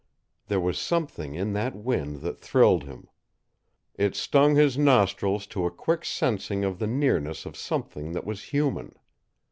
There was something in that wind that thrilled him. It stung his nostrils to a quick sensing of the nearness of something that was human.